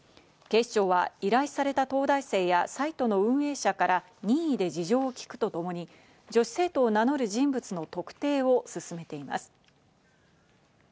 警視庁は依頼された東大生やサイトの運営者から任意で事情を聞くとともに女子生徒を名乗る人物の特定を進めています。